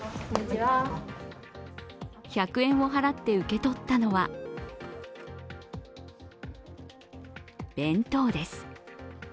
１００円を払って受け取ったのは弁当です。